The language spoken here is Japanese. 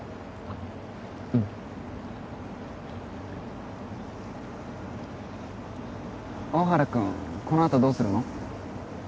うん大原君このあとどうするの？